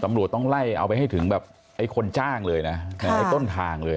ตำรวจต้องไล่เอาไปให้ถึงแบบไอ้คนจ้างเลยนะในต้นทางเลย